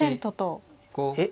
えっ？